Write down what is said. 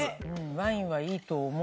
ワインはいいと思う。